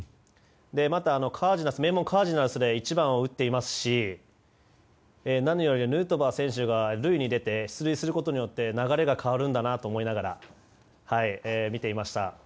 また、名門カージナルスで１番を打っていますし何よりヌートバー選手が出塁することによって流れが変わるんだなと思いながら見ていました。